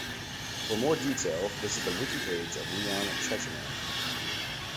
For more detail, visit the wikipage of Leon Chechemain.